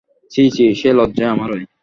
ছি ছি, সে লজ্জা আমারই।